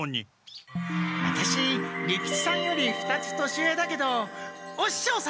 ワタシ利吉さんより２つ年上だけどおししょう様！